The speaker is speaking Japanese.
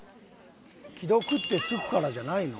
既読ってつくからじゃないの？